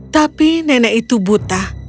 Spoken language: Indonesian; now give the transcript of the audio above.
tapi nenek itu buta